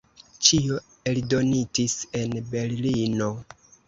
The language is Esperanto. Ĉio eldonitis en Berlino.